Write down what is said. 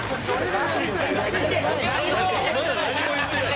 まだ何も言ってない。